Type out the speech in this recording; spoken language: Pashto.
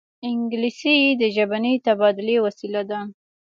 انګلیسي د ژبني تبادلې وسیله ده